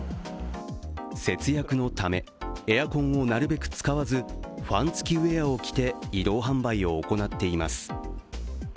節約のため、エアコンをなるべく使わず、ファン付きウエアを着て移動販売を行っています。